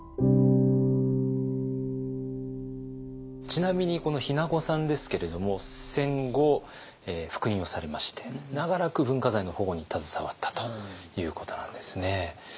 ちなみにこの日名子さんですけれども戦後復員をされまして長らく文化財の保護に携わったということなんですね。